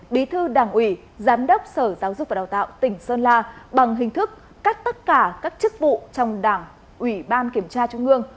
bí thư đảng ủy giám đốc sở giáo dục và đào tạo tỉnh sơn la bằng hình thức cách tất cả các chức vụ trong đảng ủy ban kiểm tra trung ương